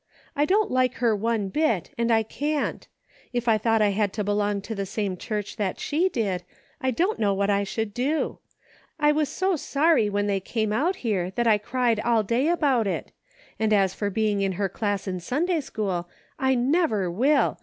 I don't like her one bit, and I can't. If I thought I had to belong to the same church that she did, I don't know what I shoftld do. I was so sorry when they came out here that I cried all day about it ; and as for being in her class in Sunday school, I never will